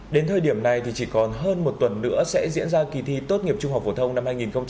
đến thời điểm này thì chỉ còn hơn một tuần nữa sẽ diễn ra kỳ thi tốt nghiệp trung học phổ thông năm hai nghìn hai mươi